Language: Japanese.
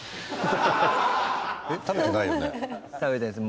食べてないです。